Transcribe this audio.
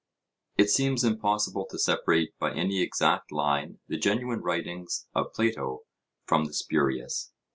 It seems impossible to separate by any exact line the genuine writings of Plato from the spurious.